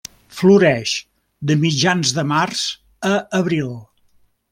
Floreix de mitjans de març a abril.